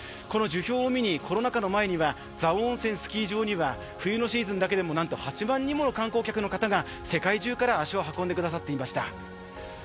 この樹氷を見にコロナ禍の前には蔵王温泉スキー場には冬のシーズンだけでもなんと８万人もの観光客の方が世界中から足を運んでくださっていました。